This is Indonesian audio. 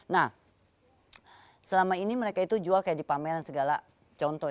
nah selama ini mereka itu jual kayak di pameran segala contoh